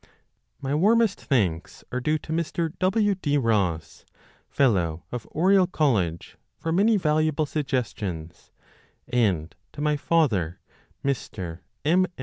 My warmest thanks are due to Mr. W. D. Ross, Fellow of Oriel College, for many valuable suggestions, and to my father, Mr. M.